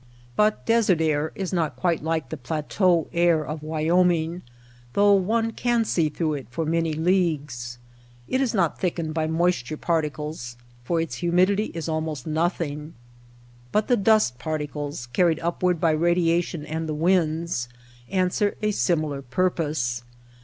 But desert air is not quite like the plateau air of Wyoming, though one can see through it for many leagues. It is not thickened by moist ure particles, for its humidity is almost noth ing ; but the dust particles, carried upward by radiation and the winds, answer a similar pur pose.